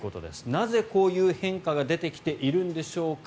なぜこういう変化が出てきているんでしょうか。